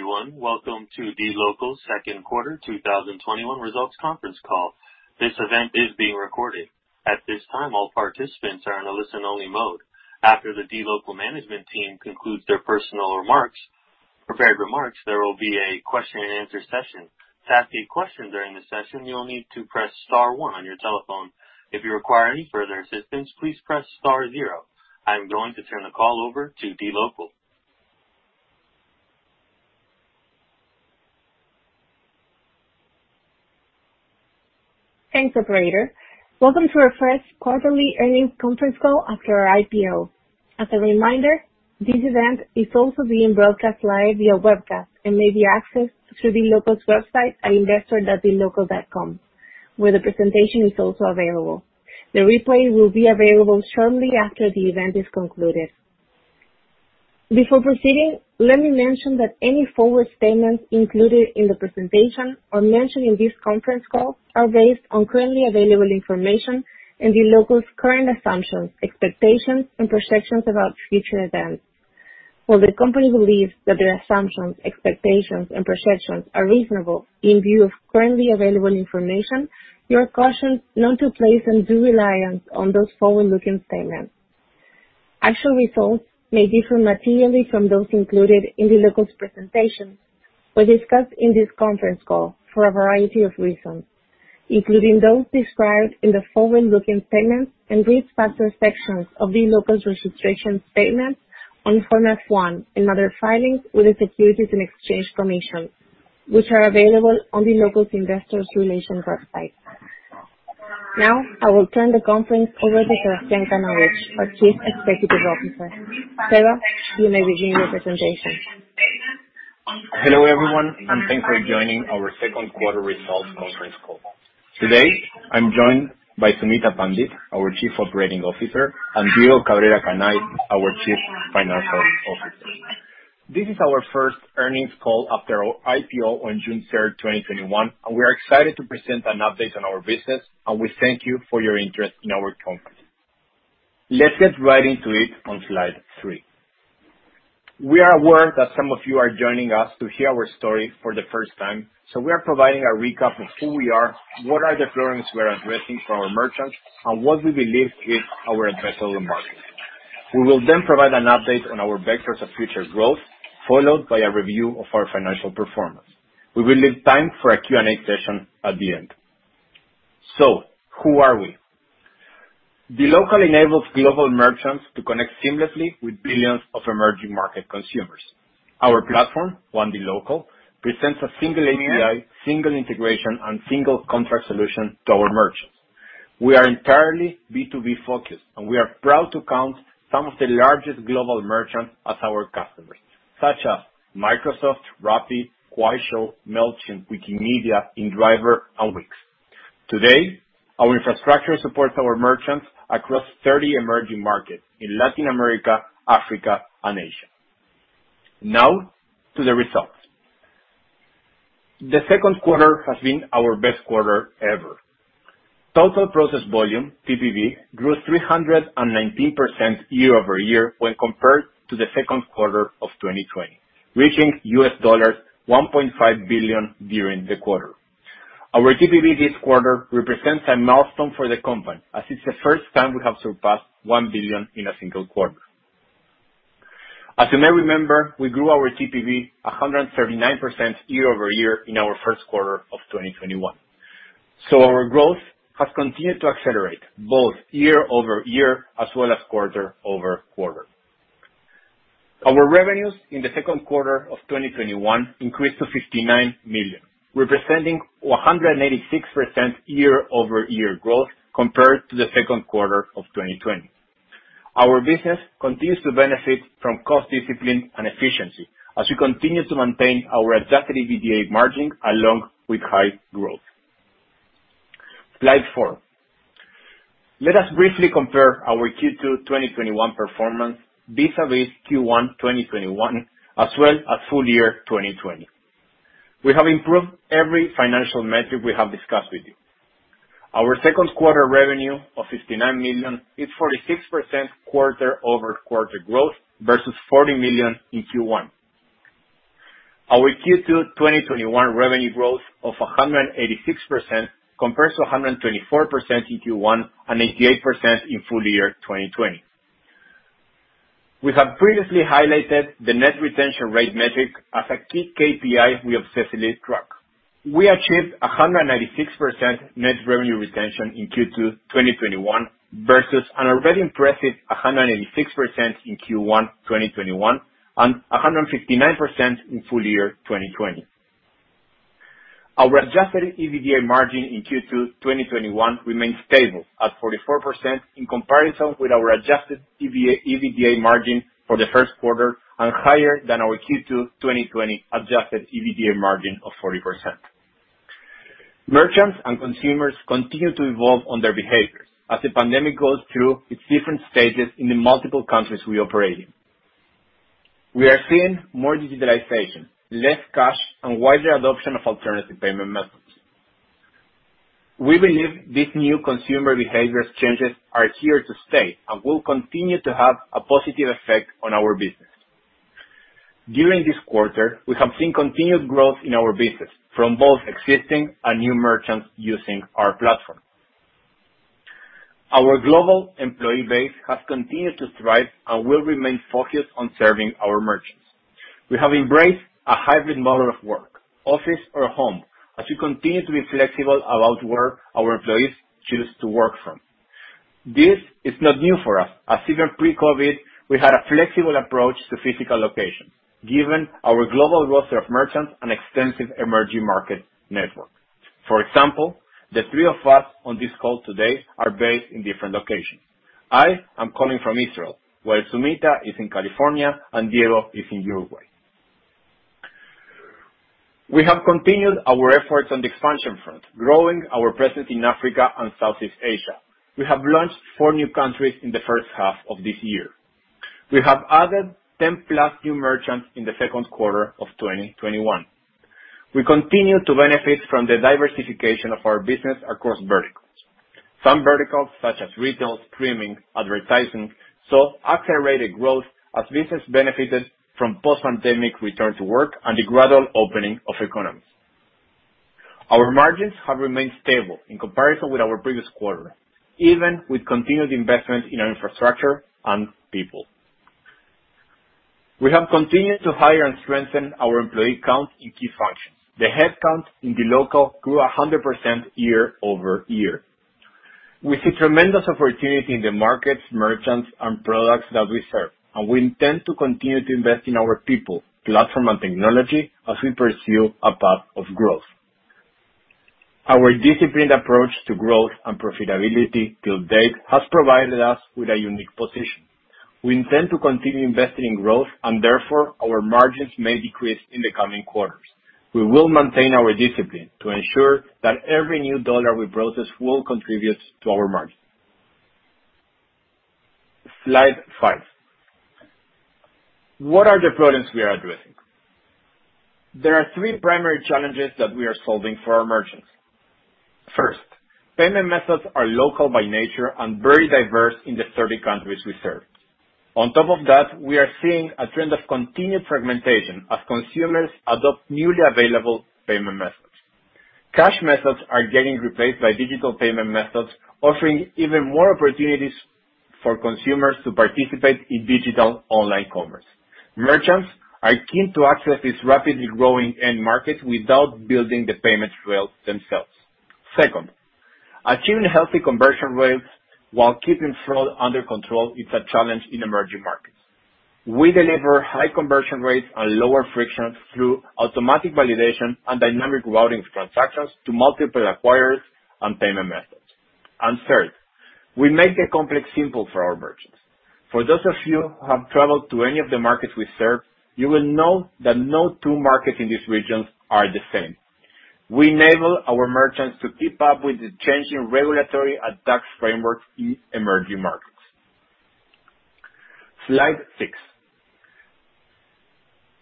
Hello, everyone. Welcome to dLocal Second Quarter 2021 Results conference call. This event is being recorded. At this time, all participants are in a listen-only mode. After the dLocal management team conclude their personal remarks, prepared remarks, there will be a question-and-answer session. To ask a question during the session, you will need to press star one on your telephone. If you're requiring further assistance, press star zero. I am going to turn the call over to dLocal. Thanks, Operator. Welcome to our first quarterly earnings conference call after our IPO. As a reminder, this event is also being broadcast live via webcast and may be accessed through dlocal.com, where the presentation is also available. The replay will be available shortly after the event is concluded. Before proceeding, let me mention that any forward statements included in the presentation or mentioned in this conference call are based on currently available information and dLocal's current assumptions, expectations, and projections about future events. While the company believes that their assumptions, expectations, and projections are reasonable in view of currently available information, you are cautioned not to place undue reliance on those forward-looking statements. Actual results may differ materially from those included in dLocal's presentations or discussed in this conference call for a variety of reasons, including those described in the forward-looking statements and risk factor sections of dLocal's registration statements on Form F-1 and other filings with the Securities and Exchange Commission, which are available on dLocal's investor relations website. Now, I will turn the conference over to Sebastián Kanovich, our Chief Executive Officer. Seba, you may begin your presentation. Hello, everyone, and thanks for joining our second quarter results conference call. Today, I'm joined by Sumita Pandit, our Chief Operating Officer, and Diego Cabrera Canay, our Chief Financial Officer. This is our first earnings call after our IPO on June 3rd, 2021, and we're excited to present an update on our business, and we thank you for your interest in our company. Let's get right into it on slide three. We are aware that some of you are joining us to hear our story for the first time, so we are providing a recap of who we are, what are the problems we are addressing for our merchants, and what we believe is our addressable market. We will then provide an update on our vectors of future growth, followed by a review of our financial performance. We will leave time for a Q&A session at the end. Who are we? dLocal enables global merchants to connect seamlessly with billions of emerging market consumers. Our platform, One dLocal, presents a single API, single integration, and single contract solution to our merchants. We are entirely B2B-focused, and we are proud to count some of the largest global merchants as our customers, such as Microsoft, Rappi, Wish, Mailchimp, Wikimedia, inDrive, and Wix. Today, our infrastructure supports our merchants across 30 emerging markets in Latin America, Africa, and Asia. Now, to the results. The second quarter has been our best quarter ever. Total processed volume, TPV, grew 319% year-over-year when compared to the second quarter of 2020, reaching $1.5 billion during the quarter. Our TPV this quarter represents a milestone for the company as it's the first time we have surpassed $1 billion in a single quarter. As you may remember, we grew our TPV 139% year-over-year in our first quarter of 2021. Our growth has continued to accelerate both year-over-year as well as quarter-over-quarter. Our revenues in the second quarter of 2021 increased to $59 million, representing 186% year-over-year growth compared to the second quarter of 2020. Our business continues to benefit from cost discipline and efficiency as we continue to maintain our adjusted EBITDA margin along with high growth. Slide four. Let us briefly compare our Q2 2021 performance vis-à-vis Q1 2021 as well as full year 2020. We have improved every financial metric we have discussed with you. Our second quarter revenue of $59 million is 46% quarter-over-quarter growth versus $40 million in Q1. Our Q2 2021 revenue growth of 186% compares to 124% in Q1 and 88% in full year 2020. We have previously highlighted the net retention rate metric as a key KPI we obsessively track. We achieved 196% net revenue retention in Q2 2021 versus an already impressive 186% in Q1 2021 and 159% in full year 2020. Our adjusted EBITDA margin in Q2 2021 remains stable at 44% in comparison with our adjusted EBITDA margin for the first quarter and higher than our Q2 2020 adjusted EBITDA margin of 40%. Merchants and consumers continue to evolve on their behaviors as the pandemic goes through its different stages in the multiple countries we operate in. We are seeing more digitalization, less cash, and wider adoption of alternative payment methods. We believe these new consumer behavior changes are here to stay and will continue to have a positive effect on our business. During this quarter, we have seen continued growth in our business from both existing and new merchants using our platform. Our global employee base has continued to thrive and will remain focused on serving our merchants. We have embraced a hybrid model of work, office or home, as we continue to be flexible about where our employees choose to work from. This is not new for us. Even pre-COVID, we had a flexible approach to physical locations, given our global roster of merchants and extensive emerging market network. For example, the three of us on this call today are based in different locations. I am calling from Israel, while Sumita is in California and Diego is in Uruguay. We have continued our efforts on the expansion front, growing our presence in Africa and Southeast Asia. We have launched four new countries in the first half of this year. We have added 10+ new merchants in the second quarter of 2021. We continue to benefit from the diversification of our business across verticals. Some verticals, such as retail, streaming, advertising, saw accelerated growth as business benefited from post-pandemic return to work and the gradual opening of economies. Our margins have remained stable in comparison with our previous quarter, even with continued investment in our infrastructure and people. We have continued to hire and strengthen our employee count in key functions. The headcount in dLocal grew 100% year-over-year. We see tremendous opportunity in the markets, merchants, and products that we serve, and we intend to continue to invest in our people, platform, and technology as we pursue a path of growth. Our disciplined approach to growth and profitability to date has provided us with a unique position. We intend to continue investing in growth, and therefore, our margins may decrease in the coming quarters. We will maintain our discipline to ensure that every new dollar we process will contribute to our margin. Slide five. What are the problems we are addressing? There are three primary challenges that we are solving for our merchants. First, payment methods are local by nature and very diverse in the 30 countries we serve. On top of that, we are seeing a trend of continued fragmentation as consumers adopt newly available payment methods. Cash methods are getting replaced by digital payment methods, offering even more opportunities for consumers to participate in digital online commerce. Merchants are keen to access this rapidly growing end market without building the payment trail themselves. Second, achieving healthy conversion rates while keeping fraud under control is a challenge in emerging markets. We deliver high conversion rates and lower friction through automatic validation and dynamic routing transactions to multiple acquirers and payment methods. Third, we make the complex simple for our merchants. For those of you who have traveled to any of the markets we serve, you will know that no two markets in these regions are the same. We enable our merchants to keep up with the changing regulatory and tax frameworks in emerging markets. Slide six.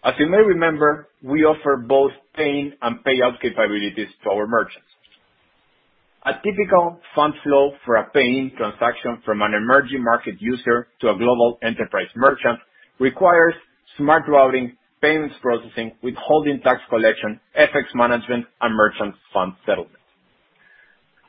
As you may remember, we offer both pay-in and payout capabilities to our merchants. A typical fund flow for a pay-in transaction from an emerging market user to a global enterprise merchant requires smart routing, payments processing, withholding tax collection, FX management, and merchant fund settlement.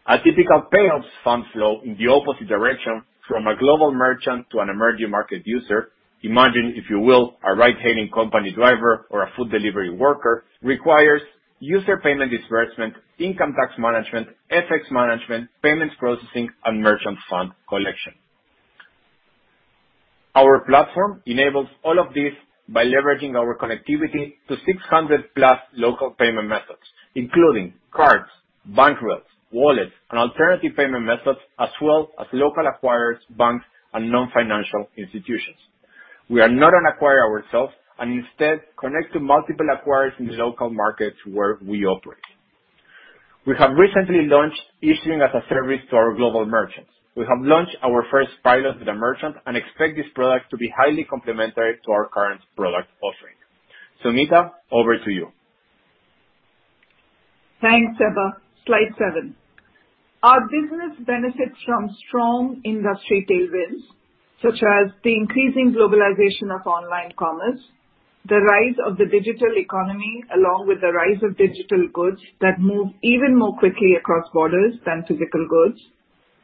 A typical payouts fund flow in the opposite direction from a global merchant to an emerging market user, imagine, if you will, a ride-hailing company driver or a food delivery worker, requires user payment disbursement, income tax management, FX management, payments processing, and merchant fund collection. Our platform enables all of this by leveraging our connectivity to 600 plus local payment methods, including cards, bank rails, wallets, and alternative payment methods, as well as local acquirers, banks, and non-financial institutions. We are not an acquirer ourselves, and instead connect to multiple acquirers in the local markets where we operate. We have recently launched issuing as a service to our global merchants. We have launched our first pilot with a merchant and expect this product to be highly complementary to our current product offering. Sumita, over to you. Thanks, Seba. Slide seven. Our business benefits from strong industry tailwinds, such as the increasing globalization of online commerce, the rise of the digital economy, along with the rise of digital goods that move even more quickly across borders than physical goods.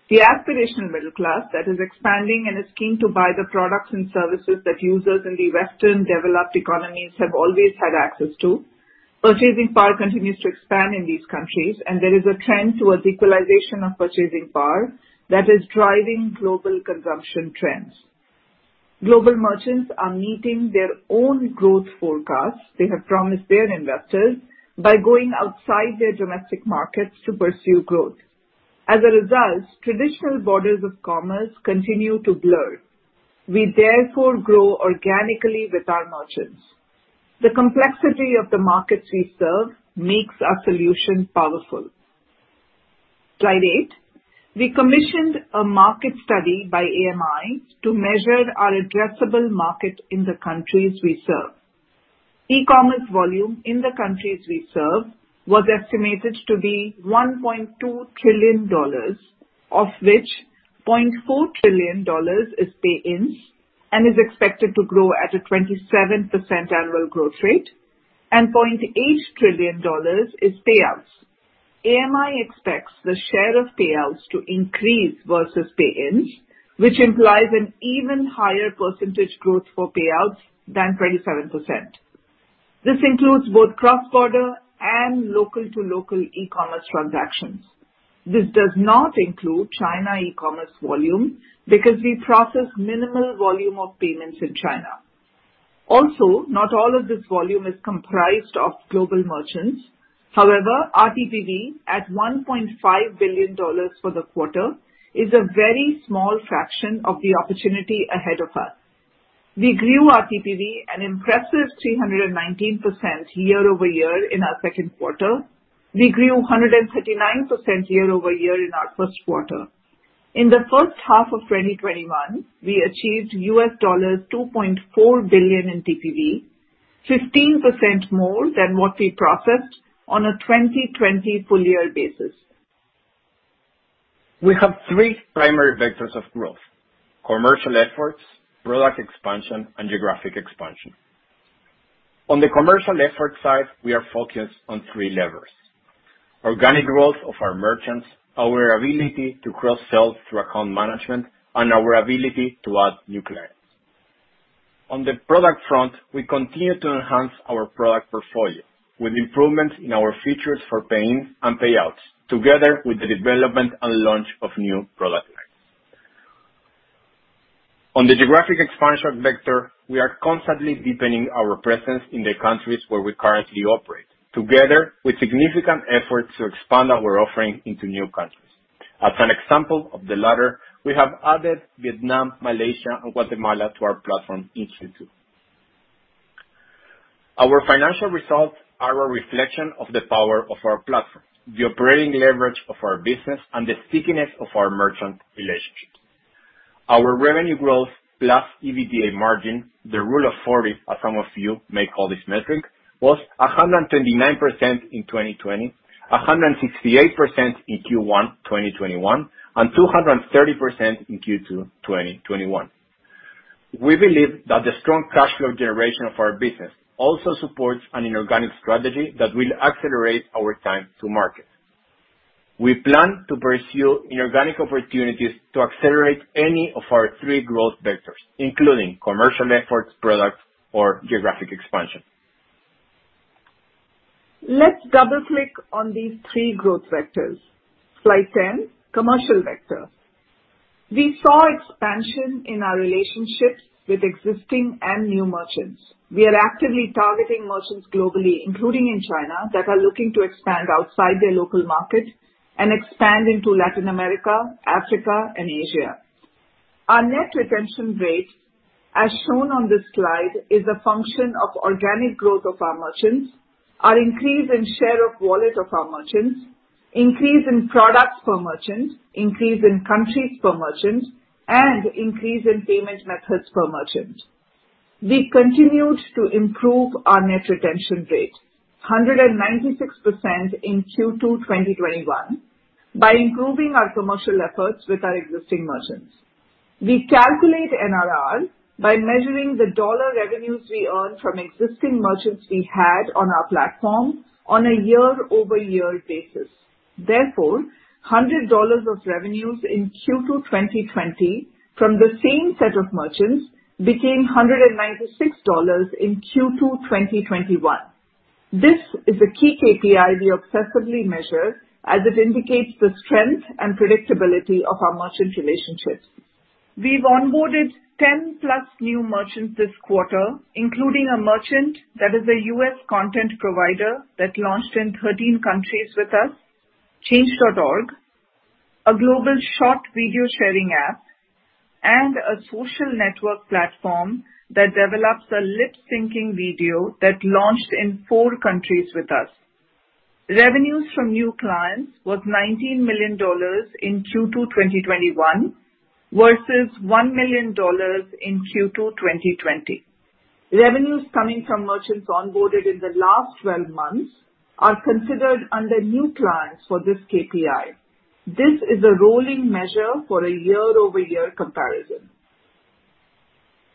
The aspirational middle class that is expanding and is keen to buy the products and services that users in the Western developed economies have always had access to. Purchasing power continues to expand in these countries, and there is a trend towards equalization of purchasing power that is driving global consumption trends. Global merchants are meeting their own growth forecasts they have promised their investors by going outside their domestic markets to pursue growth. As a result, traditional borders of commerce continue to blur. We therefore grow organically with our merchants. The complexity of the markets we serve makes our solution powerful. Slide eight. We commissioned a market study by AMI to measure our addressable market in the countries we serve. E-commerce volume in the countries we serve was estimated to be $1.2 trillion, of which $0.4 trillion is pay-ins, and is expected to grow at a 27% annual growth rate, and $0.8 trillion is payouts. AMI expects the share of payouts to increase versus pay-ins, which implies an even higher percentage growth for payouts than 27%. This includes both cross-border and local-to-local e-commerce transactions. This does not include China e-commerce volume because we process minimal volume of payments in China. Also, not all of this volume is comprised of global merchants. Our TPV, at $1.5 billion for the quarter, is a very small fraction of the opportunity ahead of us. We grew our TPV an impressive 319% year-over-year in our second quarter. We grew 139% year-over-year in our first quarter. In the first half of 2021, we achieved $2.4 billion in TPV, 15% more than what we processed on a 2020 full-year basis. We have three primary vectors of growth: commercial efforts, product expansion, and geographic expansion. On the commercial effort side, we are focused on three levers: organic growth of our merchants, our ability to cross-sell through account management, and our ability to add new clients. On the product front, we continue to enhance our product portfolio with improvements in our features for pay-ins and payouts, together with the development and launch of new product lines. On the geographic expansion vector, we are constantly deepening our presence in the countries where we currently operate, together with significant efforts to expand our offering into new countries. As an example of the latter, we have added Vietnam, Malaysia, and Guatemala to our platform in Q2. Our financial results are a reflection of the power of our platform, the operating leverage of our business, and the stickiness of our merchant relationships. Our revenue growth plus EBITDA margin, the Rule of 40, as some of you may call this metric, was 129% in 2020, 168% in Q1 2021, and 230% in Q2 2021. We believe that the strong cash flow generation of our business also supports an inorganic strategy that will accelerate our time to market. We plan to pursue inorganic opportunities to accelerate any of our three growth vectors, including commercial efforts, product, or geographic expansion. Let's double-click on these three growth vectors. Slide 10, commercial vector. We saw expansion in our relationships with existing and new merchants. We are actively targeting merchants globally, including in China, that are looking to expand outside their local market and expand into Latin America, Africa, and Asia. Our net retention rate, as shown on this slide, is a function of organic growth of our merchants, our increase in share of wallet of our merchants, increase in products per merchant, increase in countries per merchant, and increase in payment methods per merchant. We continued to improve our net retention rate, 196% in Q2 2021, by improving our commercial efforts with our existing merchants. We calculate NRR by measuring the dollar revenues we earn from existing merchants we had on our platform on a year-over-year basis. Therefore, $100 of revenues in Q2 2020 from the same set of merchants became $196 in Q2 2021. This is a key KPI we obsessively measure, as it indicates the strength and predictability of our merchant relationships. We've onboarded 10+ new merchants this quarter, including a merchant that is a U.S. content provider that launched in 13 countries with us, Change.org, a global short video sharing app, and a social network platform that develops a lip-syncing video that launched in four countries with us. Revenues from new clients was $19 million in Q2 2021, versus $1 million in Q2 2020. Revenues coming from merchants onboarded in the last 12 months are considered under new clients for this KPI. This is a rolling measure for a year-over-year comparison.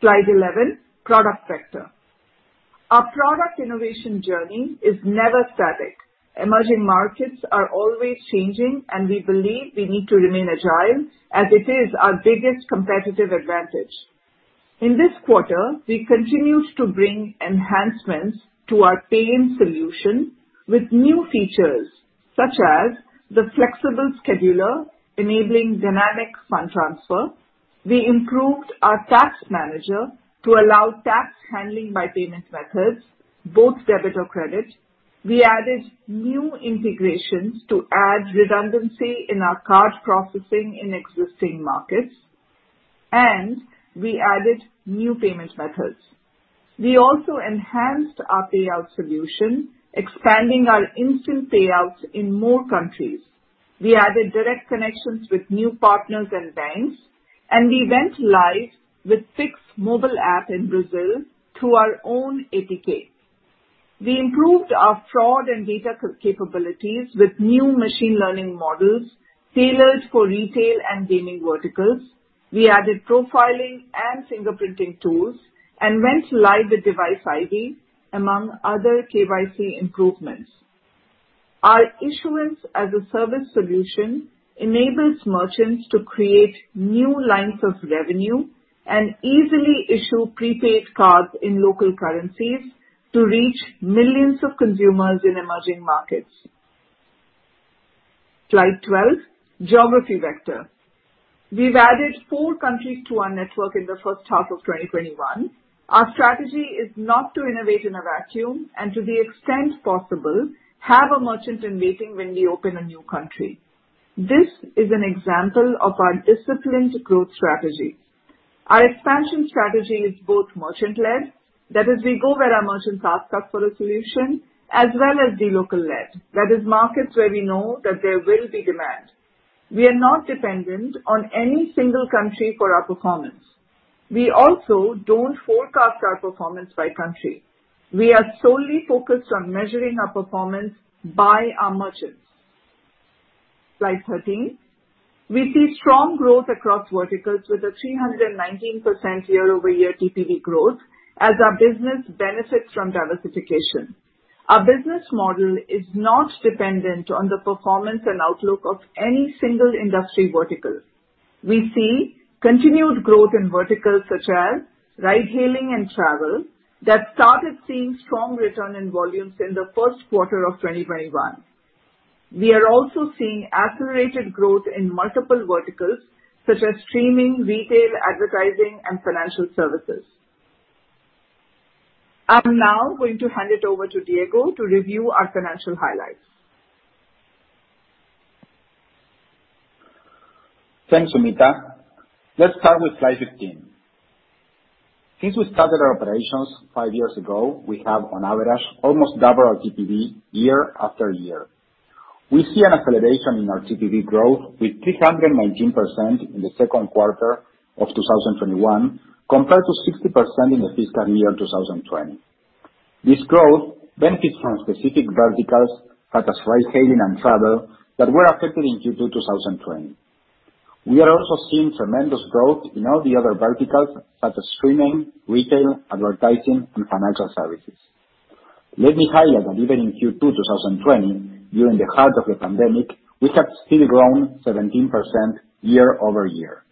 Slide 11, product vector. Our product innovation journey is never static. Emerging markets are always changing, and we believe we need to remain agile as it is our biggest competitive advantage. In this quarter, we continued to bring enhancements to our pay-in solution with new features, such as the flexible scheduler enabling dynamic fund transfer. We improved our tax manager to allow tax handling by payment methods, both debit or credit. We added new integrations to add redundancy in our card processing in existing markets, and we added new payment methods. We also enhanced our payout solution, expanding our instant payouts in more countries. We added direct connections with new partners and banks, and we went live with six mobile app in Brazil through our own API. We improved our fraud and data capabilities with new machine learning models tailored for retail and gaming verticals. We added profiling and fingerprinting tools and went live with device ID, among other KYC improvements. Our issuance as a service solution enables merchants to create new lines of revenue and easily issue prepaid cards in local currencies to reach millions of consumers in emerging markets. Slide 12, geography vector. We've added four countries to our network in the first half of 2021. Our strategy is not to innovate in a vacuum, and to the extent possible, have a merchant in waiting when we open a new country. This is an example of our disciplined growth strategy. Our expansion strategy is both merchant-led. That is, we go where our merchants ask us for a solution, as well as dLocal-led. That is, markets where we know that there will be demand. We are not dependent on any single country for our performance. We also don't forecast our performance by country. We are solely focused on measuring our performance by our merchants. Slide 13. We see strong growth across verticals with a 319% year-over-year TPV growth as our business benefits from diversification. Our business model is not dependent on the performance and outlook of any single industry vertical. We see continued growth in verticals such as ride-hailing and travel that started seeing strong return in volumes in the first quarter of 2021. We are also seeing accelerated growth in multiple verticals such as streaming, retail, advertising, and financial services. I'm now going to hand it over to Diego to review our financial highlights. Thanks, Sumita. Let's start with slide 15. Since we started our operations five years ago, we have on average almost double our TPV year after year. We see an acceleration in our TPV growth with 319% in the second quarter of 2021 compared to 60% in the fiscal year 2020. This growth benefits from specific verticals such as ride-hailing and travel that were affected in Q2 2020. We are also seeing tremendous growth in all the other verticals such as streaming, retail, advertising, and financial services. Let me highlight that even in Q2 2020, during the heart of the pandemic, we have still grown 17% year-over-year.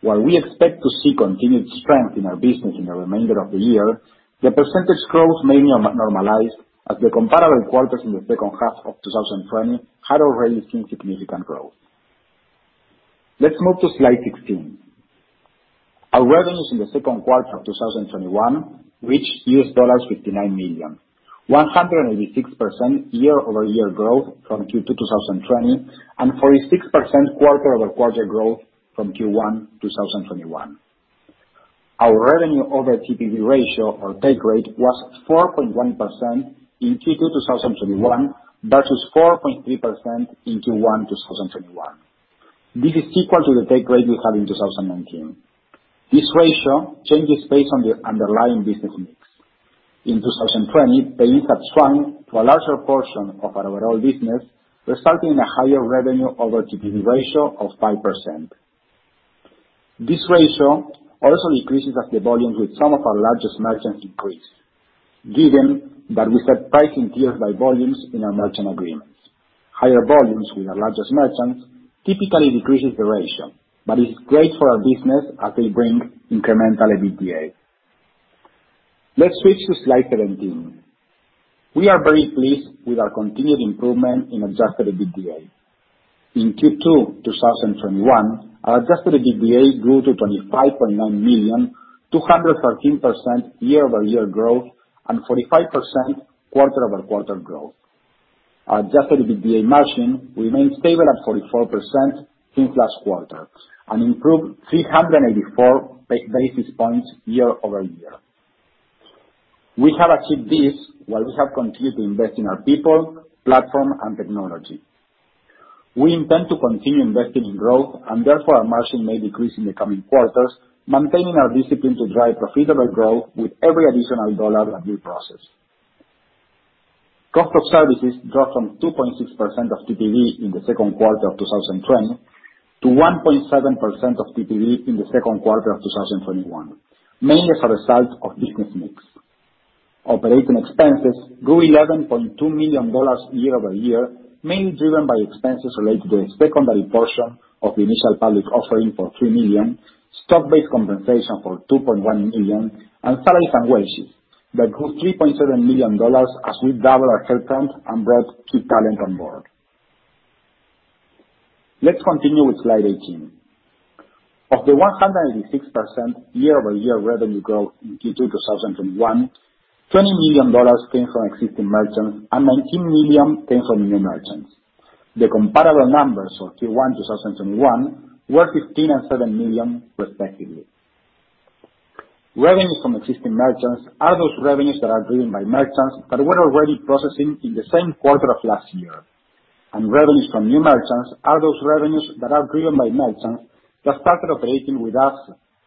While we expect to see continued strength in our business in the remainder of the year, the percentage growth mainly normalized as the comparable quarters in the second half of 2020 had already seen significant growth. Let's move to slide 16. Our revenues in the second quarter of 2021 reached $59 million, 186% year-over-year growth from Q2 2020, and 46% quarter-over-quarter growth from Q1 2021. Our revenue over TPV ratio or take rate was 4.1% in Q2 2021 versus 4.3% in Q1 2021. This is equal to the take rate we had in 2019. This ratio changes based on the underlying business mix. In 2020, pay-ins had swung to a larger portion of our overall business, resulting in a higher revenue over TPV ratio of 5%. This ratio also increases as the volumes with some of our largest merchants increase. Given that we set price in tiers by volumes in our merchant agreements. Higher volumes with our largest merchants typically decreases the ratio, but is great for our business as they bring incremental EBITDA. Let's switch to slide 17. We are very pleased with our continued improvement in adjusted EBITDA. In Q2 2021, our adjusted EBITDA grew to $25.9 million, 213% year-over-year growth, and 45% quarter-over-quarter growth. Our adjusted EBITDA margin remains stable at 44% since last quarter and improved 384 basis points year-over-year. We have achieved this while we have continued to invest in our people, platform, and technology. We intend to continue investing in growth and therefore our margin may decrease in the coming quarters, maintaining our discipline to drive profitable growth with every additional dollar that we process. Cost of services dropped from 2.6% of TPV in the second quarter of 2020 to 1.7% of TPV in the second quarter of 2021, mainly as a result of business mix. Operating expenses grew $11.2 million year-over-year, mainly driven by expenses related to the secondary portion of the initial public offering for $3 million, stock-based compensation for $2.1 million, and salaries and wages that grew $3.7 million as we doubled our headcount and brought key talent on board. Let's continue with slide 18. Of the 186% year-over-year revenue growth in Q2 2021, $20 million came from existing merchants and $19 million came from new merchants. The comparable numbers for Q1 2021 were $15 million and $7 million respectively. Revenue from existing merchants are those revenues that are driven by merchants that were already processing in the same quarter of last year. Revenues from new merchants are those revenues that are driven by merchants that started operating with us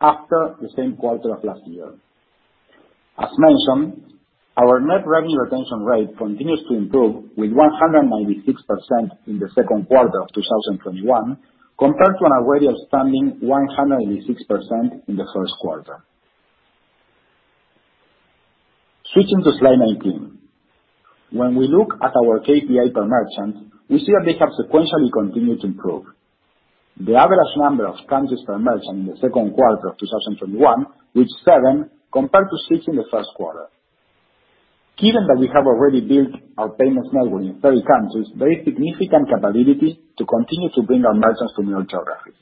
after the same quarter of last year. As mentioned, our net revenue retention rate continues to improve with 196% in the second quarter of 2021, compared to an already outstanding 186% in the first quarter. Switching to slide 19. When we look at our KPI per merchant, we see that they have sequentially continued to improve. The average number of countries per merchant in the second quarter of 2021 reached seven, compared to six in the first quarter. Given that we have already built our payments network in 30 countries, very significant capabilities to continue to bring our merchants from new geographies.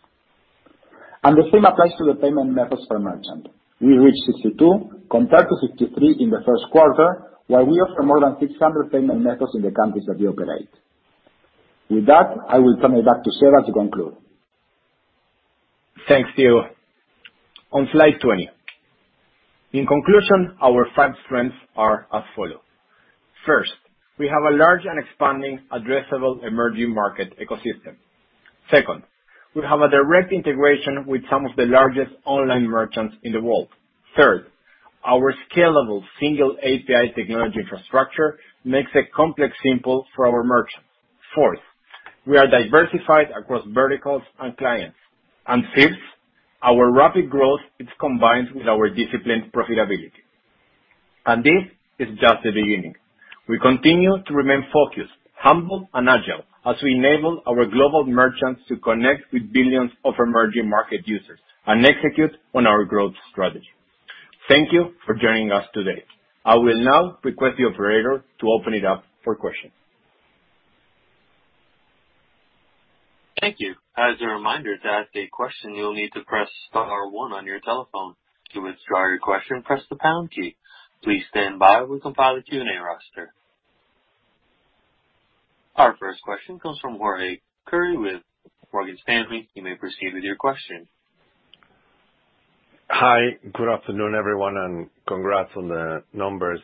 The same applies to the payment methods per merchant. We reached 62 compared to 53 in the first quarter, while we offer more than 600 payment methods in the countries that we operate. With that, I will turn it back to Seba to conclude. Thanks, Diego. On slide 20. In conclusion, our five strengths are as follow. First, we have a large and expanding addressable emerging market ecosystem. Second, we have a direct integration with some of the largest online merchants in the world. Third, our scalable single API technology infrastructure makes it complex simple for our merchants. Fourth, we are diversified across verticals and clients. Fifth, our rapid growth is combined with our disciplined profitability. This is just the beginning. We continue to remain focused, humble, and agile as we enable our global merchants to connect with billions of emerging market users and execute on our growth strategy. Thank you for joining us today. I will now request the operator to open it up for questions. Thank you. As a reminder, to ask a question, you will need to press star one on your telephone. To withdraw your question, press the pound key. Please stand by while we compile the Q&A roster. Our first question comes from Jorge Kuri with Morgan Stanley. You may proceed with your question. Hi. Good afternoon, everyone, and congrats on the numbers.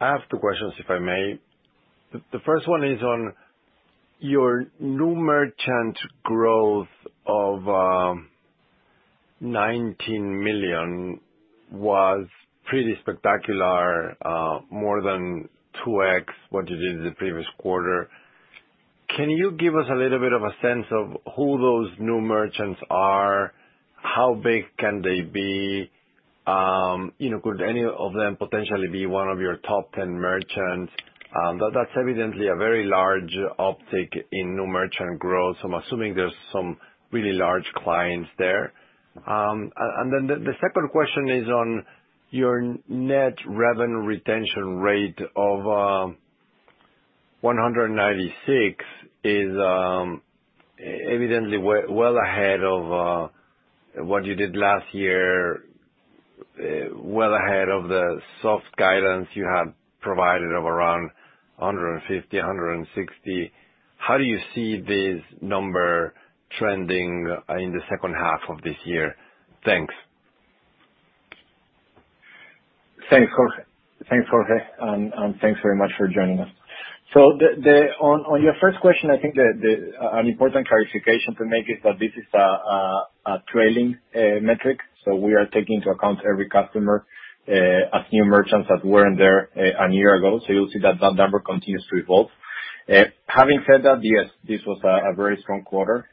I have two questions, if I may. The first one is on your new merchant growth of 19 million was pretty spectacular, more than 2x what you did the previous quarter. Can you give us a little bit of a sense of who those new merchants are? How big can they be? Could any of them potentially be one of your top 10 merchants? That's evidently a very large uptick in new merchant growth. I'm assuming there's some really large clients there. The second question is on your net revenue retention rate of 196% is evidently well ahead of what you did last year, well ahead of the soft guidance you had provided of around 150%-160%. How do you see this number trending in the second half of this year? Thanks. Thanks, Jorge. Thanks very much for joining us. On your first question, I think an important clarification to make is that this is a trailing metric, so we are taking into account every customer, as new merchants that weren't there a year ago. You'll see that that number continues to evolve. Having said that, yes, this was a very strong quarter.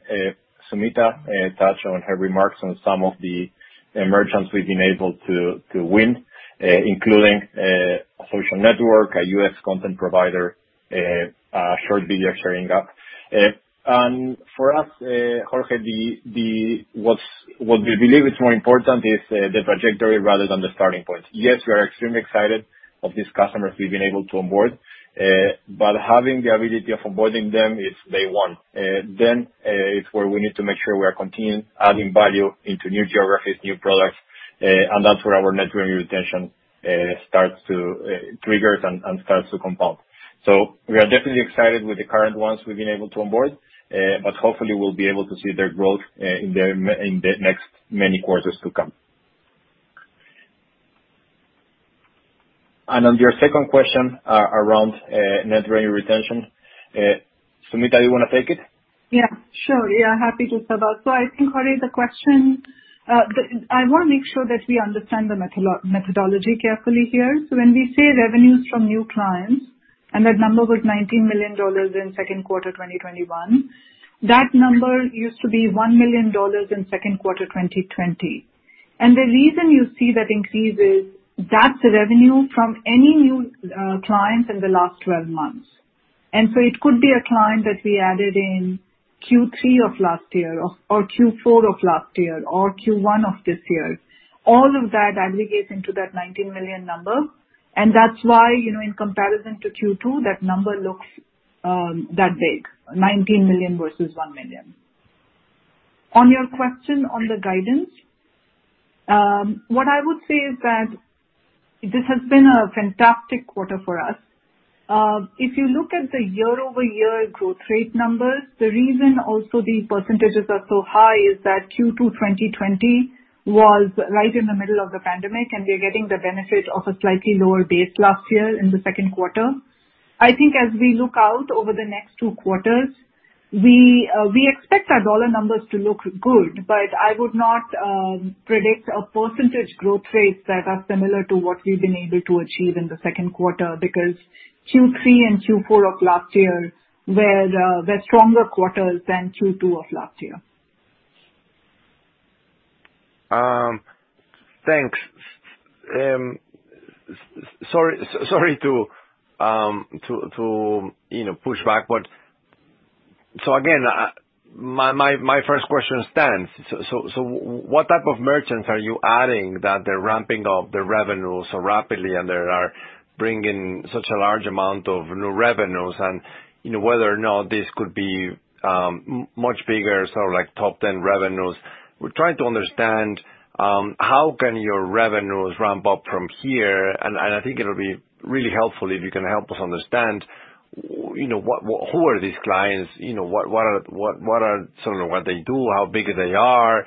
Sumita touched on her remarks on some of the merchants we've been able to win, including a social network, a U.S. content provider, a short video sharing app. For us, Jorge, what we believe is more important is the trajectory rather than the starting point. Yes, we are extremely excited of these customers we've been able to onboard, but having the ability of onboarding them is day one. It's where we need to make sure we are continuing adding value into new geographies, new products, and that's where our net revenue retention triggers and starts to compound. We are definitely excited with the current ones we've been able to onboard, but hopefully we'll be able to see their growth in the next many quarters to come. On your second question, around net revenue retention, Sumita, you want to take it? Yeah, sure. Yeah, happy to, sub out. I think, Jorge, the question I want to make sure that we understand the methodology carefully here. When we say revenues from new clients, and that number was $19 million in second quarter 2021, that number used to be $1 million in second quarter 2020. The reason you see that increase is that's the revenue from any new clients in the last 12 months. It could be a client that we added in Q3 of last year or Q4 of last year or Q1 of this year. All of that aggregates into that $19 million number, and that's why in comparison to Q2, that number looks that big, $19 million versus $1 million. On your question on the guidance, what I would say is that, this has been a fantastic quarter for us. If you look at the year-over-year growth rate numbers, the reason also these percentages are so high is that Q2 2020 was right in the middle of the pandemic, and we are getting the benefit of a slightly lower base last year in the second quarter. I think as we look out over the next two quarters, we expect our dollar numbers to look good. I would not predict a percentage growth rates that are similar to what we've been able to achieve in the second quarter because Q3 and Q4 of last year were stronger quarters than Q2 of last year. Thanks. Sorry to push backward. Again, my first question stands. So what type of merchants are you adding, that they're ramping up the revenue so rapidly and they are bringing such a large amount of new revenues and, whether or not this could be much bigger, sort of like top 10 revenues. We're trying to understand, how can your revenues ramp up from here? I think it'll be really helpful if you can help us understand, who are these clients, what are some of what they do, how big they are.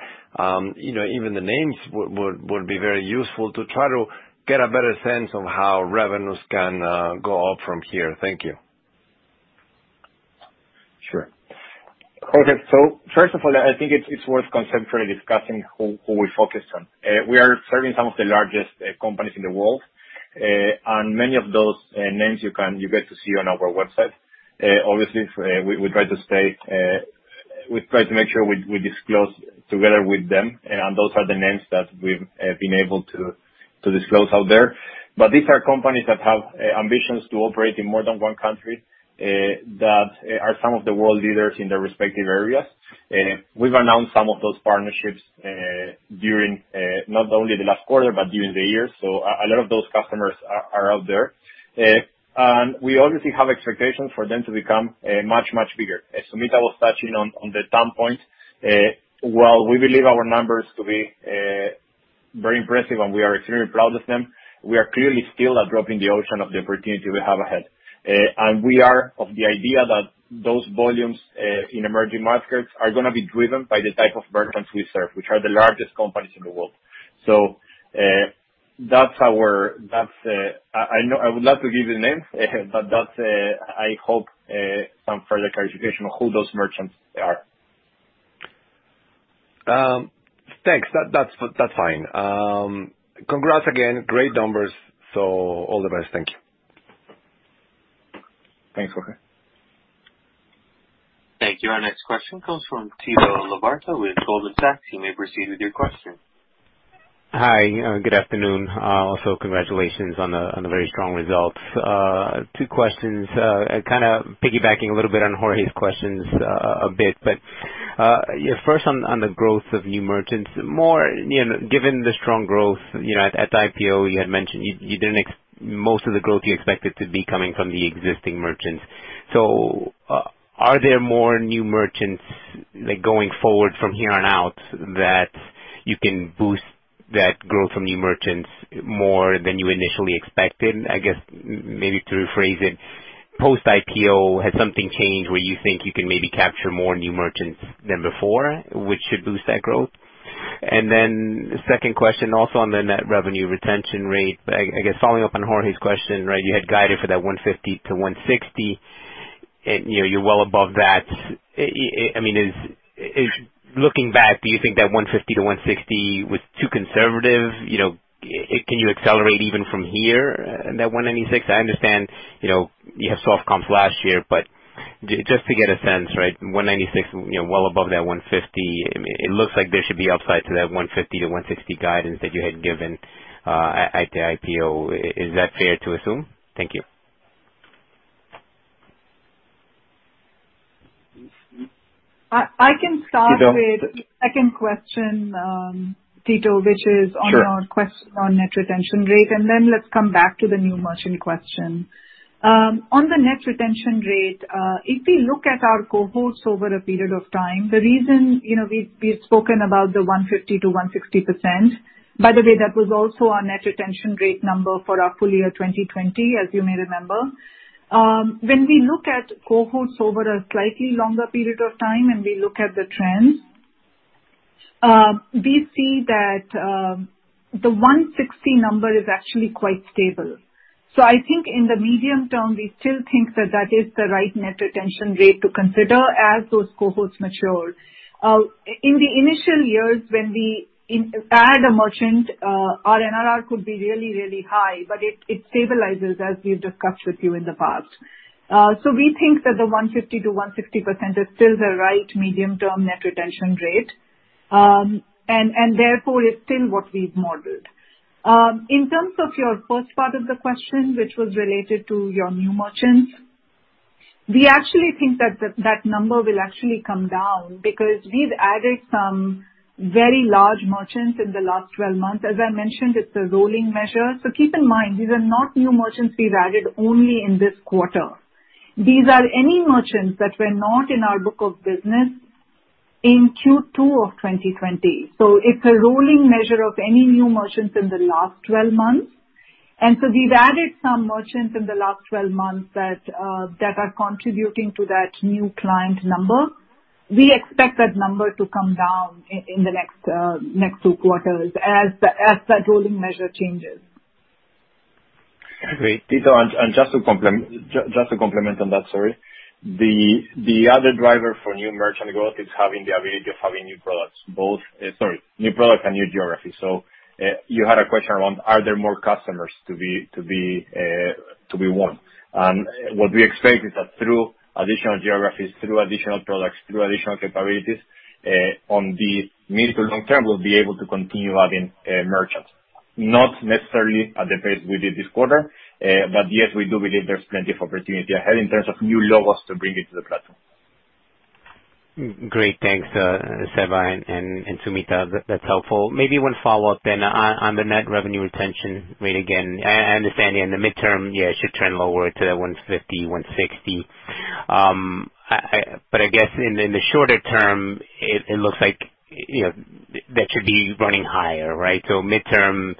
Even the names would be very useful to try to get a better sense of how revenues can go up from here. Thank you. Sure. Jorge. First of all, I think it's worth conceptually discussing who we focus on. We are serving some of the largest companies in the world. Many of those names you get to see on our website. Obviously, we try to make sure we disclose together with them. Those are the names that we've been able to disclose out there. These are companies that have ambitions to operate in more than one country, that are some of the world leaders in their respective areas. We've announced some of those partnerships, not only the last quarter, but during the year. A lot of those customers are out there. We obviously have expectations for them to become much, much bigger. As Sumita was touching on the standpoint, while we believe our numbers to be very impressive and we are extremely proud of them, we are clearly still a drop in the ocean of the opportunity we have ahead. We are of the idea that those volumes, in emerging markets are going to be driven by the type of merchants we serve, which are the largest companies in the world. I would love to give you names, but that, I hope, some further clarification of who those merchants are. Thanks. That's fine. Congrats again. Great numbers. All the best. Thank you. Thanks, Jorge. Thank you. Our next question comes from Tito Labarta with Goldman Sachs. You may proceed with your question. Hi. Good afternoon. Congratulations on the very strong results. Two questions, kind of piggybacking a little bit on Jorge's questions a bit, first on the growth of new merchants, given the strong growth at the IPO, you had mentioned most of the growth you expected to be coming from the existing merchants. Are there more new merchants going forward from here on out that you can boost that growth from new merchants more than you initially expected? I guess maybe to rephrase it, post-IPO, has something changed where you think you can maybe capture more new merchants than before, which should boost that growth? Second question also on the net revenue retention rate. I guess following up on Jorge's question, you had guided for that 150%-160%, you're well above that. Looking back, do you think that 150%-160% was too conservative? Can you accelerate even from here, that 196%? I understand you have soft comps last year, but just to get a sense. 196%, well above that 150%. It looks like there should be upside to that 150%-160% guidance that you had given at the IPO. Is that fair to assume? Thank you. I can start with- Tito? second question, Tito. Which is on- Sure. quest on net retention rate, then let's come back to the new merchant question. On the net retention rate, if we look at our cohorts over a period of time, the reason we've spoken about the 150%-160%. By the way, that was also our net retention rate number for our full year 2020, as you may remember. When we look at cohorts over a slightly longer period of time, we look at the trends, we see that the 160 number is actually quite stable. I think in the medium term, we still think that that is the right net retention rate to consider as those cohorts mature. In the initial years, when we add a merchant, our NRR could be really high, it stabilizes as we've discussed with you in the past. We think that the 150%-160% is still the right medium-term net retention rate. Therefore, it's still what we've modeled. In terms of your first part of the question, which was related to your new merchants, we actually think that that number will actually come down because we've added some very large merchants in the last 12 months. As I mentioned, it's a rolling measure. Keep in mind, these are not new merchants we've added only in this quarter. These are any merchants that were not in our book of business in Q2 of 2020. It's a rolling measure of any new merchants in the last 12 months. We've added some merchants in the last 12 months that are contributing to that new client number. We expect that number to come down in the next two quarters as that rolling measure changes. Great. Tito, just to complement on that story, the other driver for new merchant growth is having the ability of having new products and new geography. You had a question around are there more customers to be won? What we expect is that through additional geographies, through additional products, through additional capabilities, on the mid to long-term, we'll be able to continue adding merchants. Not necessarily at the pace we did this quarter, yes, we do believe there's plenty of opportunity ahead in terms of new logos to bring into the platform. Great. Thanks, Seba and Sumita. That's helpful. Maybe one follow-up on the net revenue retention rate again. I understand in the midterm, it should trend lower to that 150%, 160%. I guess in the shorter term, it looks like that should be running higher, right? Midterm,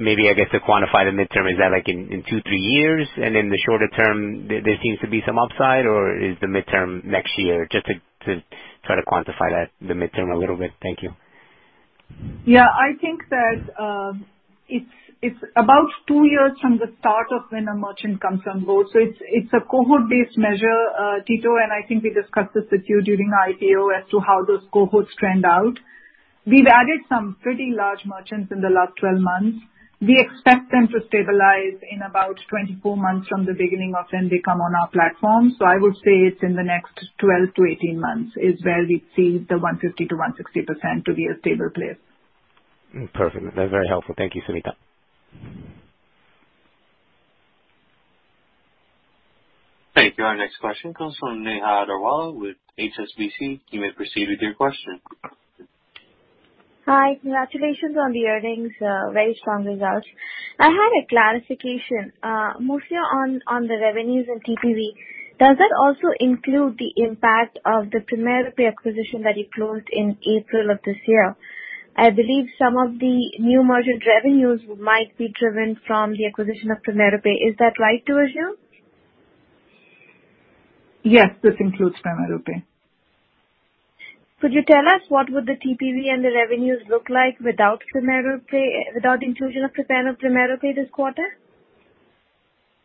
maybe, I guess, to quantify the midterm, is that in two, three years? In the shorter term, there seems to be some upside or is the midterm next year? Just to try to quantify the midterm a little bit. Thank you. Yeah, I think that it's about two years from the start of when a merchant comes on board. It's a cohort-based measure, Tito, and I think we discussed this with you during our IPO as to how those cohorts trend out. We've added some pretty large merchants in the last 12 months. We expect them to stabilize in about 24 months from the beginning of when they come on our platform. I would say it's in the next 12-18 months is where we see the 150%-160% to be a stable place. Perfect. That's very helpful. Thank you, Sumita. Thank you. Our next question comes from Neha Agarwala with HSBC. You may proceed with your question. Hi, congratulations on the earnings. Very strong results. I had a clarification. Mostly on the revenues and TPV, does that also include the impact of the PrimeiroPay acquisition that you closed in April of this year? I believe some of the new merchant revenues might be driven from the acquisition of PrimeiroPay. Is that right to assume? Yes, this includes PrimeiroPay. Could you tell us what would the TPV and the revenues look like without inclusion of PrimeiroPay this quarter?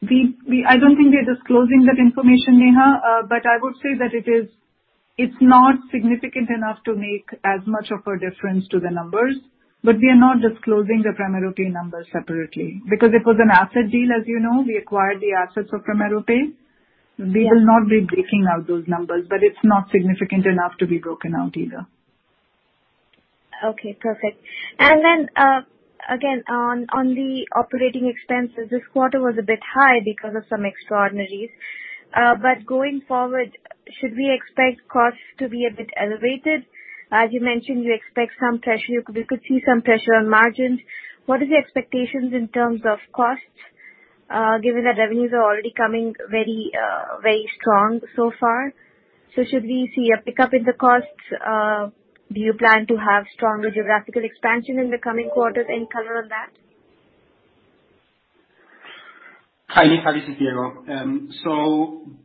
I don't think we're disclosing that information, Neha. I would say that it's not significant enough to make as much of a difference to the numbers. We are not disclosing the PrimeiroPay numbers separately. It was an asset deal, as you know, we acquired the assets of PrimeiroPay. Yeah. We will not be breaking out those numbers, but it's not significant enough to be broken out either. Okay, perfect. Again, on the operating expenses, this quarter was a bit high because of some extraordinaries. Going forward, should we expect costs to be a bit elevated? As you mentioned, you expect some pressure, we could see some pressure on margins. What is the expectations in terms of costs, given that revenues are already coming very strong so far? Should we see a pickup in the costs? Do you plan to have stronger geographical expansion in the coming quarters? Any color on that? Hi, Neha. This is Diego.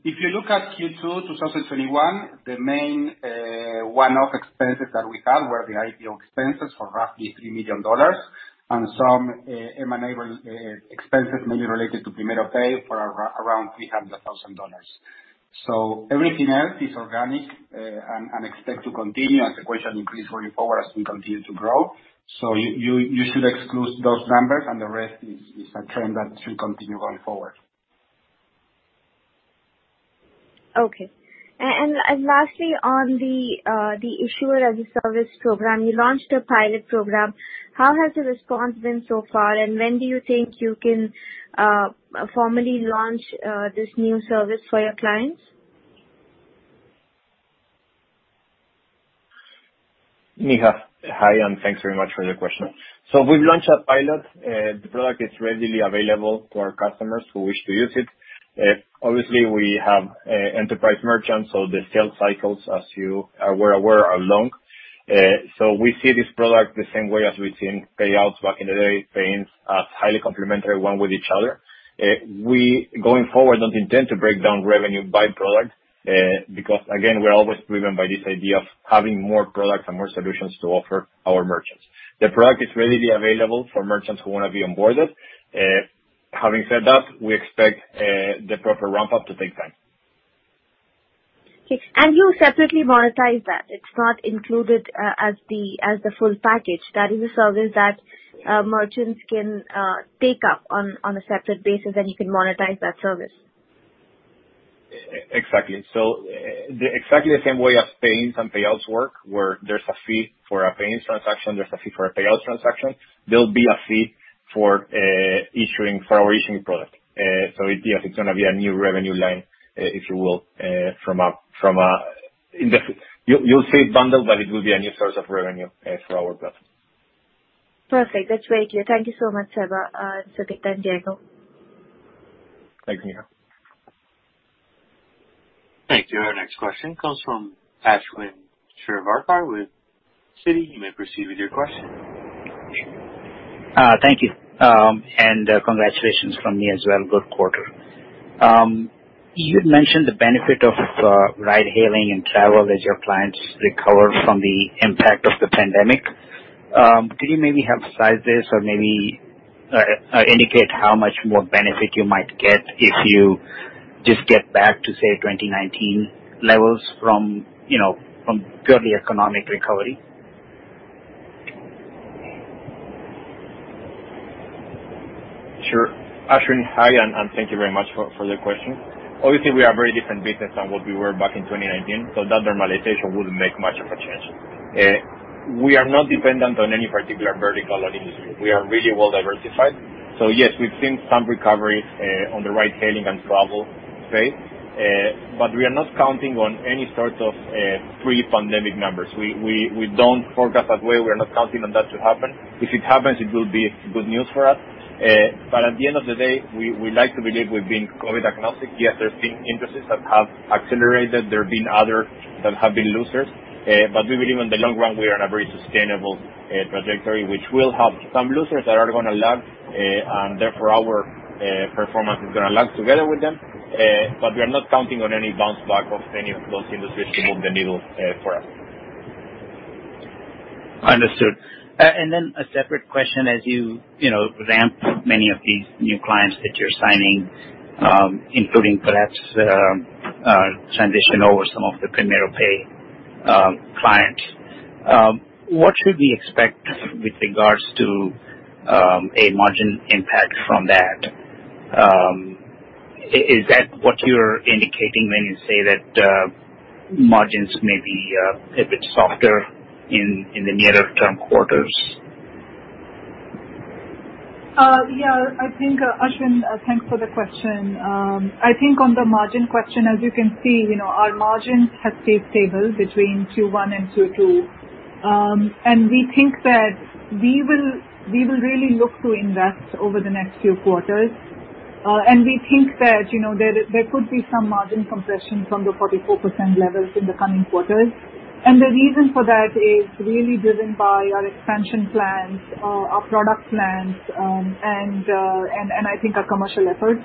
If you look at Q2 2021, the main one-off expenses that we had were the IPO expenses for roughly $3 million and some M&A expenses mainly related to PrimeiroPay for around $300,000. Everything else is organic, and expect to continue as accretion increase going forward as we continue to grow. You should exclude those numbers and the rest is a trend that should continue going forward. Okay. Lastly on the Issuer-as-a-Service program, you launched a pilot program. How has the response been so far, and when do you think you can formally launch this new service for your clients? Neha, hi. Thanks very much for your question. We've launched a pilot. The product is readily available to our customers who wish to use it. Obviously, we have enterprise merchants, so the sales cycles, as you are well aware, are long. We see this product the same way as we've seen payouts back in the day, payments as highly complementary, one with each other. We, going forward, don't intend to break down revenue by product, because again, we're always driven by this idea of having more products and more solutions to offer our merchants. The product is readily available for merchants who want to be onboarded. Having said that, we expect the proper ramp-up to take time. Okay. You separately monetize that. It's not included as the full package. That is a service that merchants can take up on a separate basis, and you can monetize that service. Exactly. Exactly the same way as payments and payouts work, where there's a fee for a payments transaction, there's a fee for a payouts transaction, there'll be a fee for our issuing product. Yes, it's going to be a new revenue line, if you will. You'll see it bundled, but it will be a new source of revenue for our platform. Perfect. That's very clear. Thank you so much, Seba, Sumita and Diego. Thank you, Neha. Thank you. Our next question comes from Ashwin Shirvaikar with Citi. You may proceed with your question. Thank you. Congratulations from me as well. Good quarter. You had mentioned the benefit of ride-hailing and travel as your clients recover from the impact of the pandemic. Could you maybe emphasize this or maybe indicate how much more benefit you might get if you just get back to, say, 2019 levels from purely economic recovery? Sure. Ashwin, hi, and thank you very much for the question. Obviously, we are a very different business than what we were back in 2019, so that normalization wouldn't make much of a change. We are not dependent on any particular vertical or industry. We are really well diversified. Yes, we've seen some recoveries on the ride-hailing and travel space. We are not counting on any sort of pre-pandemic numbers. We don't forecast that way. We're not counting on that to happen. If it happens, it will be good news for us. At the end of the day, we like to believe we've been COVID agnostic. There's been industries that have accelerated. There have been others that have been losers. We believe in the long run, we are on a very sustainable trajectory, which will have some losers that are going to lag, and therefore our performance is going to lag together with them. We are not counting on any bounce back of any of those industries to move the needle for us. Understood. A separate question as you ramp many of these new clients that you're signing including perhaps transition over some of the PrimeiroPay clients. What should we expect with regards to a margin impact from that? Is that what you're indicating when you say that margins may be a bit softer in the nearer term quarters? Yeah, I think, Ashwin, thanks for the question. I think on the margin question, as you can see, our margins have stayed stable between Q1 and Q2. We think that we will really look to invest over the next few quarters. We think that there could be some margin compression from the 44% levels in the coming quarters. The reason for that is really driven by our expansion plans, our product plans, and I think our commercial efforts.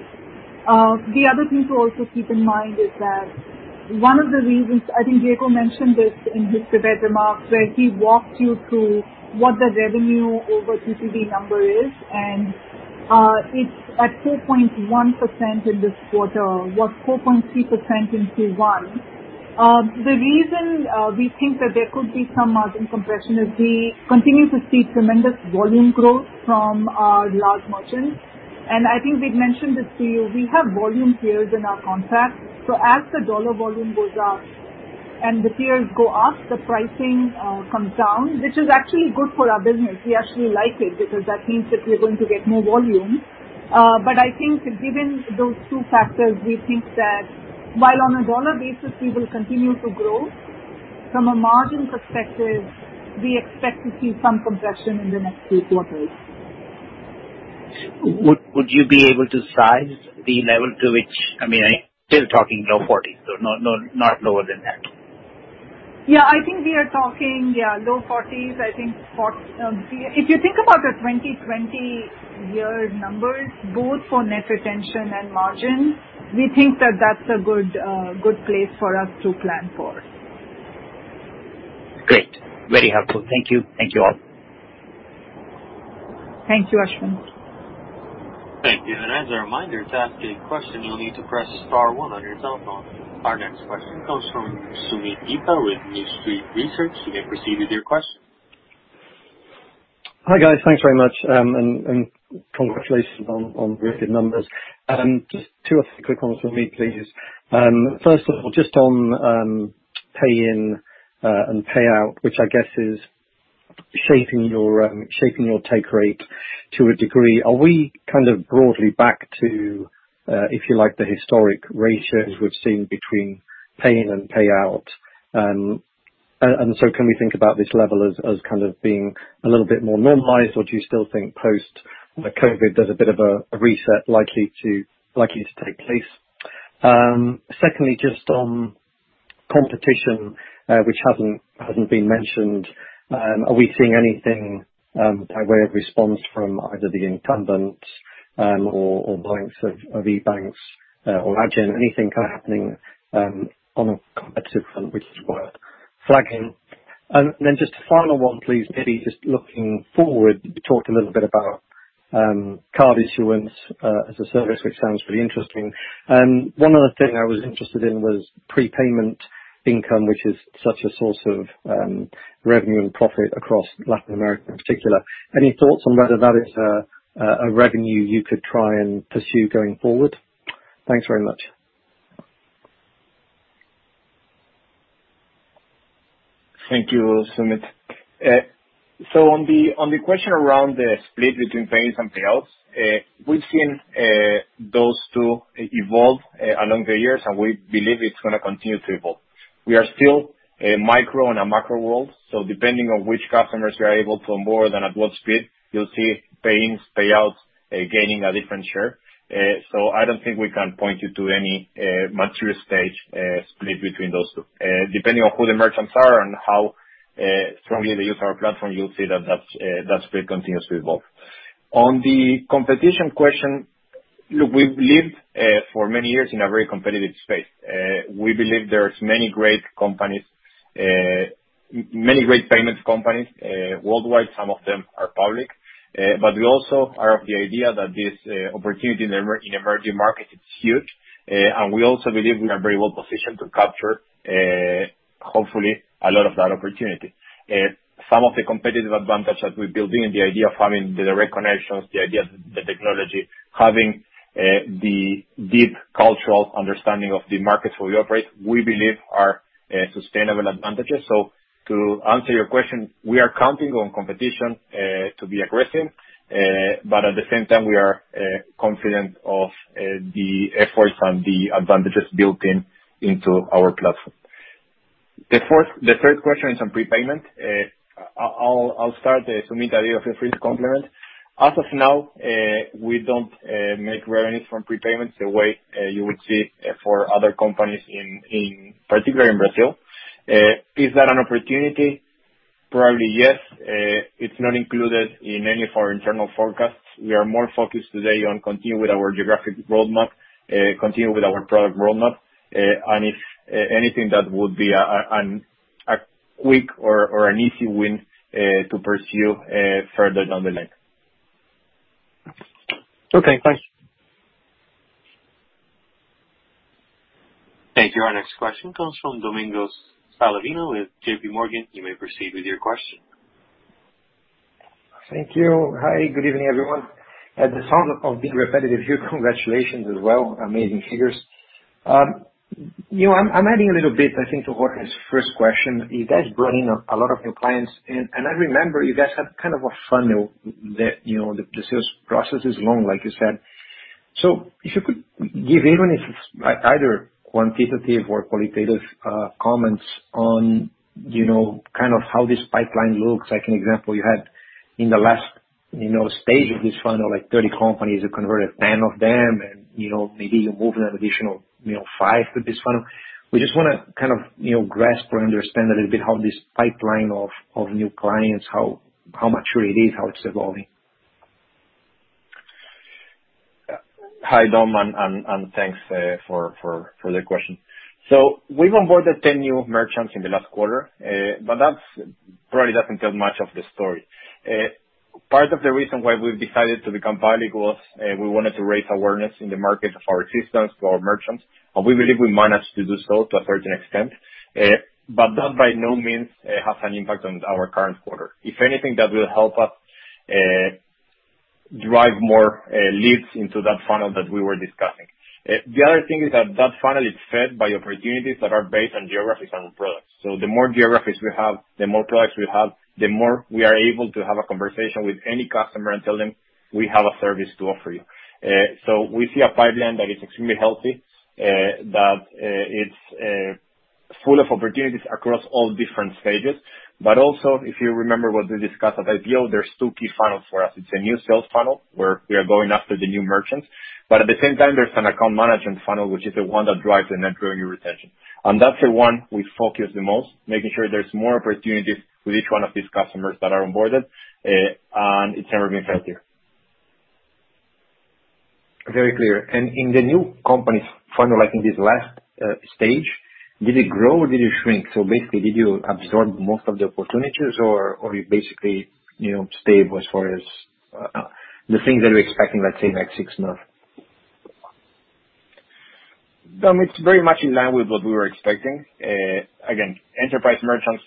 The other thing to also keep in mind is that one of the reasons, I think Diego mentioned this in his prepared remarks, where he walked you through what the revenue over TPV number is, and it's at 4.1% in this quarter. It was 4.3% in Q1. The reason we think that there could be some margin compression is we continue to see tremendous volume growth from our large merchants. I think we've mentioned this to you. We have volume tiers in our contract. As the dollar volume goes up and the tiers go up, the pricing comes down, which is actually good for our business. We actually like it because that means that we're going to get more volume. I think given those two factors, we think that while on a dollar basis, we will continue to grow, from a margin perspective, we expect to see some compression in the next few quarters. Would you be able to size the level, I mean, still talking low-40s, so not lower than that? Yeah, I think we are talking low-40s. If you think about the 2020 year numbers, both for net retention and margin, we think that that's a good place for us to plan for. Great. Very helpful. Thank you. Thank you all. Thank you, Ashwin. Thank you. As a reminder, to ask a question, you'll need to press star one on your telephone. Our next question comes from Soomit Datta with New Street Research. You may proceed with your question. Hi, guys. Thanks very much. Congratulations on the numbers. Just two or three quick ones from me, please. First of all, just on pay-in and payout, which I guess is shaping your take rate to a degree. Are we kind of broadly back to, if you like, the historic ratios we've seen between pay-in and payout? Can we think about this level as kind of being a little bit more normalized, or do you still think post-COVID, there's a bit of a reset likely to take place? Secondly, just on competition, which hasn't been mentioned. Are we seeing anything by way of response from either the incumbents or the likes of EBANX or Adyen? Anything kind of happening on a competitive front, which is worth flagging? Just a final one, please, maybe just looking forward. You talked a little bit about card issuance as a service, which sounds pretty interesting. One other thing I was interested in was prepayment income, which is such a source of revenue and profit across Latin America in particular. Any thoughts on whether that is a revenue you could try and pursue going forward? Thanks very much. Thank you, Soomit. On the question around the split between pay-ins and payouts, we've seen those two evolve along the years, and we believe it's going to continue to evolve. We are still a micro in a macro world, so depending on which customers we are able to onboard and at what speed, you'll see payments, payouts, gaining a different share. I don't think we can point you to any mature stage split between those two. Depending on who the merchants are and how strongly they use our platform, you'll see that spread continues to evolve. On the competition question, look, we've lived for many years in a very competitive space. We believe there's many great payment companies worldwide. Some of them are public. We also are of the idea that this opportunity in emerging markets is huge, and we also believe we are very well positioned to capture, hopefully, a lot of that opportunity. Some of the competitive advantage that we're building in the idea of having the direct connections, the idea, the technology, having the deep cultural understanding of the markets where we operate, we believe are sustainable advantages. To answer your question, we are counting on competition to be aggressive. At the same time, we are confident of the efforts and the advantages built into our platform. The third question is on prepayment. I'll start, Sumita, you feel free to complement. As of now, we don't make revenue from prepayments the way you would see for other companies in particular in Brazil. Is that an opportunity? Probably, yes. It's not included in any of our internal forecasts. We are more focused today on continuing with our geographic roadmap, continuing with our product roadmap, and if anything, that would be a quick or an easy win to pursue further down the line. Okay, thanks. Thank you. Our next question comes from Domingos Falavina with J.P. Morgan. You may proceed with your question. Thank you. Hi, good evening, everyone. At the sound of being repetitive here, congratulations as well. Amazing figures. I'm adding a little bit, I think, to Jorge's first question. You guys brought in a lot of new clients, and I remember you guys had kind of a funnel that the sales process is long, like you said. If you could give even if it's either quantitative or qualitative comments on how this pipeline looks, like an example you had in the last stage of this funnel, like 30 companies, you converted 10 of them, and maybe you moved an additional five with this funnel. We just want to grasp or understand a little bit how this pipeline of new clients, how mature it is, how it's evolving. Hi, Dom, thanks for the question. We've onboarded 10 new merchants in the last quarter, but that probably doesn't tell much of the story. Part of the reason why we've decided to become public was we wanted to raise awareness in the market of our systems to our merchants, and we believe we managed to do so to a certain extent. That by no means has an impact on our current quarter. If anything, that will help us drive more leads into that funnel that we were discussing. The other thing is that that funnel is fed by opportunities that are based on geographies and products. The more geographies we have, the more products we have, the more we are able to have a conversation with any customer and tell them we have a service to offer you. We see a pipeline that is extremely healthy, that it's full of opportunities across all different stages. Also, if you remember what we discussed at IPO, there's two key funnels for us. It's a new sales funnel, where we are going after the new merchants, but at the same time, there's an account management funnel, which is the one that drives the net revenue retention. That's the one we focus the most, making sure there's more opportunities with each one of these customers that are onboarded, and it's ever been healthier. Very clear. In the new companies funnel, like in this last stage, did it grow or did it shrink? Basically, did you absorb most of the opportunities or you basically stable as far as the things that you're expecting, let's say, next six months? Dom, it's very much in line with what we were expecting. Enterprise merchants,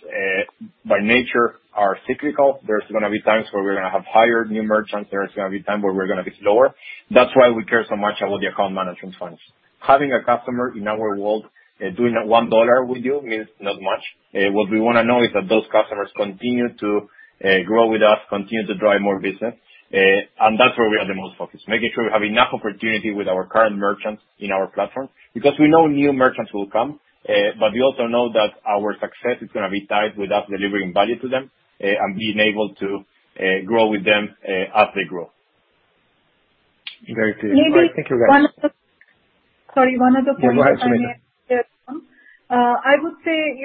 by nature, are cyclical. There's going to be times where we're going to have higher new merchants. There's going to be time where we're going to be slower. That's why we care so much about the account management funds. Having a customer in our world doing a $1 with you means not much. What we want to know is that those customers continue to grow with us, continue to drive more business. That's where we are the most focused, making sure we have enough opportunity with our current merchants in our platform, because we know new merchants will come. We also know that our success is going to be tied with us delivering value to them, and being able to grow with them as they grow. Very clear. Alright,- Maybe, one other thank you, guys. Sorry, one other point. No, go ahead, Sumita. I would say,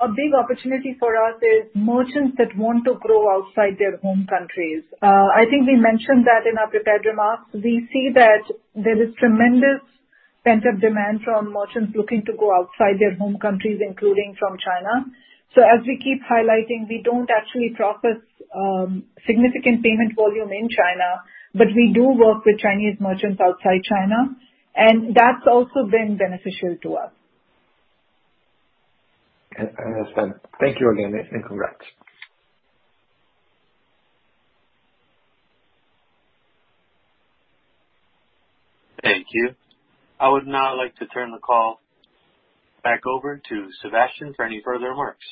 a big opportunity for us is merchants that want to grow outside their home countries. I think we mentioned that in our prepared remarks. We see that there is tremendous pent-up demand from merchants looking to go outside their home countries, including from China. As we keep highlighting, we don't actually process significant payment volume in China, but we do work with Chinese merchants outside China, and that's also been beneficial to us. Understood. Thank you again, and congrats. Thank you. I would now like to turn the call back over to Sebastián for any further remarks.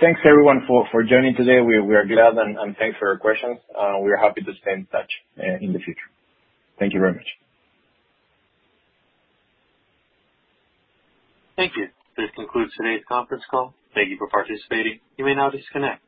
Thanks, everyone, for joining today. We are glad and thanks for your questions. We are happy to stay in touch in the future. Thank you very much. Thank you. This concludes today's conference call. Thank you for participating. You may now disconnect.